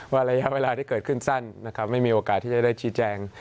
ระยะเวลาที่เกิดขึ้นสั้นนะครับไม่มีโอกาสที่จะได้ชี้แจง